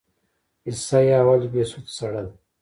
حصه اول بهسود سړه ده؟